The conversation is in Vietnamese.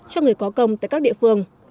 cho người có công tại các địa phương